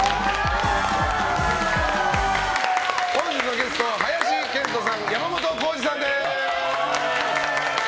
本日のゲストは林遣都さん、山本耕史さんです。